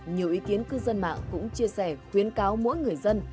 nhiều ý kiến cư dân mạng cũng chia sẻ khuyến cáo mỗi người dân